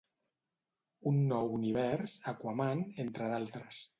Un nou univers; Aquaman, entre d'altres.